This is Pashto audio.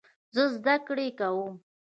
زه زده کړې کوم.